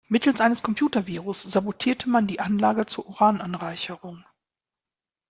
Mittels eines Computervirus sabotierte man die Anlage zur Urananreicherung.